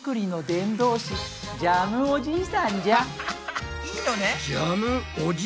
いいのね？